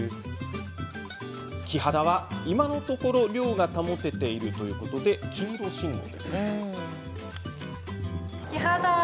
キハダは、今のところ量が保てているということで黄色信号。